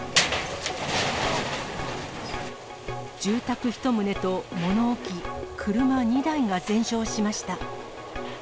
住宅１棟と物置、車２台が全焼しました。